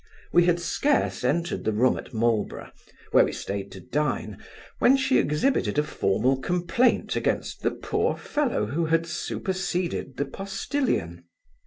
We had scarce entered the room at Marlborough, where we stayed to dine, when she exhibited a formal complaint against the poor fellow who had superseded the postilion.